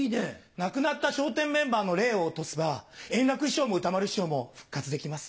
亡くなった笑点メンバーの霊を落とせば円楽師匠も歌丸師匠も復活できます。